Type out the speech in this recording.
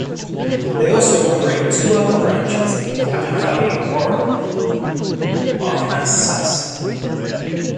They also operate two other branches in Caddo Valley and Warren, Arkansas.